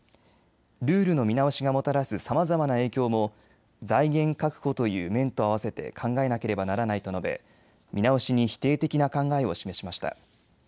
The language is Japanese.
ルールの見直しがもたらすさまざまな影響も財源確保という面と合わせて考えなければならないと述べ見直しに否定的な考えを示しました。